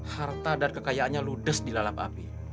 harta dan kekayaannya ludes di lalap api